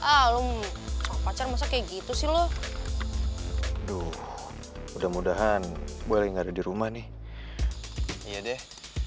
alam pacar masa kayak gitu sih lu aduh udah mudahan gue nggak ada di rumah nih iya deh